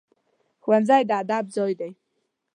ښوونځی د ادب ځای دی